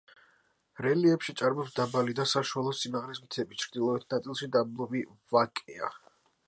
რელიეფში ჭარბობს დაბალი და საშუალო სიმაღლის მთები, ჩრდილოეთ ნაწილში დაბლობი ვაკეა.